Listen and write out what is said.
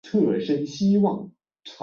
使增强子与及的相互作用成为可能。